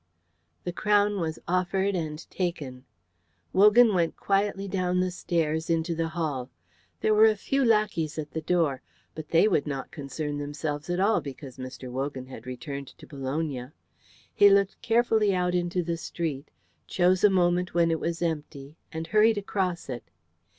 The crown was offered and taken. Wogan went quietly down the stairs into the hall. There were a few lackeys at the door, but they would not concern themselves at all because Mr. Wogan had returned to Bologna. He looked carefully out into the street, chose a moment when it was empty, and hurried across it.